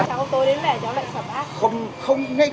hôm tối đến về cho bệnh sập ác